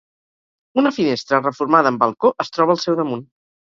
Una finestra reformada amb balcó es troba al seu damunt.